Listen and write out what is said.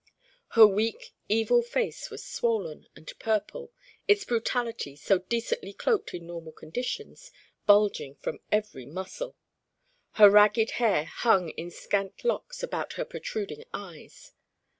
Her weak evil face was swollen and purple, its brutality, so decently cloaked in normal conditions, bulging from every muscle. Her ragged hair hung in scant locks about her protruding eyes.